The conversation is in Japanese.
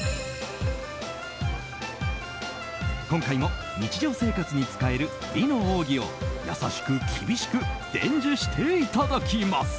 今回も日常生活に使える美の奥義を優しく厳しく伝授していただきます。